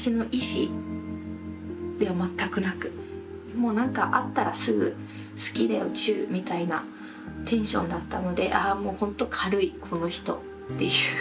もう何か会ったらすぐ好きだよチューみたいなテンションだったので「あもう本当軽いこの人」っていう。